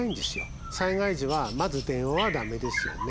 災害時はまず電話は駄目ですよね。